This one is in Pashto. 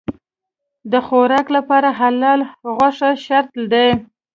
د خوراک لپاره حلاله غوښه شرط دی.